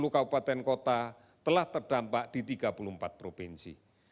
tiga ratus tujuh puluh kabupaten kota telah terdampak di tiga puluh empat provinsi